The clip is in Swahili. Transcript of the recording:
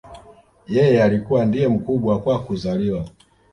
Yeye alikuwa ndiye mkubwa kwa kuzaliwa